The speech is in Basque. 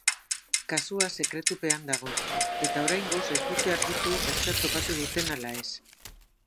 Kasua sekretupean dago eta oraingoz ez dute argitu ezer topatu duten ala ez.